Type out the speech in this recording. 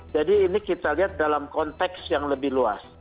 jadi ini kita lihat dalam konteks yang lebih luas